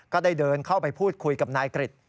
ก็ได้เดินเข้าไปพูดคุยกับนายกริจ